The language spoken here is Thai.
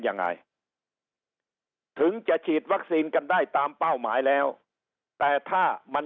ยังไงถึงจะฉีดวัคซีนกันได้ตามเป้าหมายแล้วแต่ถ้ามัน